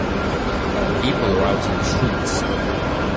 People are out in the streets.